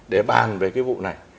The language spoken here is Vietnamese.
để bàn về cái vụ này